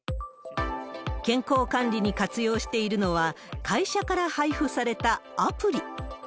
健康管理に活用しているのは、会社から配布されたアプリ。